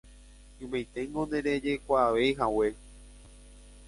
ymaiténgo nderejekuaaveihague.